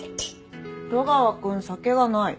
戸川君酒がない。